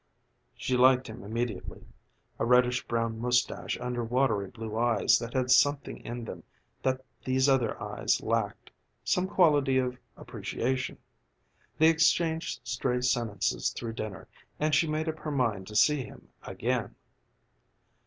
She liked him immediately a reddish brown mustache under watery blue eyes that had something in them that these other eyes lacked, some quality of appreciation. They exchanged stray sentences through dinner, and she made up her mind to see him again.